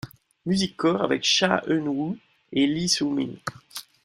Music Core' avec Cha Eun-woo et Lee Soo Min.